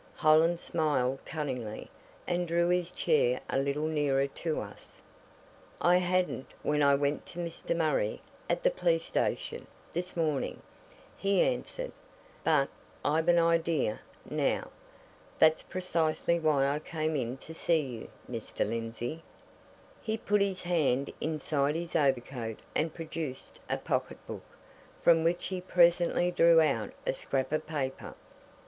Hollins smiled cunningly, and drew his chair a little nearer to us. "I hadn't when I went to Mr. Murray, at the police station, this morning," he answered. "But I've an idea, now. That's precisely why I came in to see you, Mr. Lindsey." He put his hand inside his overcoat and produced a pocket book, from which he presently drew out a scrap of paper.